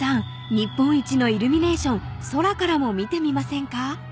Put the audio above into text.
日本一のイルミネーション空からも見てみませんか？］